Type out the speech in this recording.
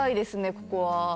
ここは。